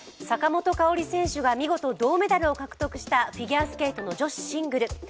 坂本花織選手が見事銅メダルを獲得したフィギュアスケートの女子シングル。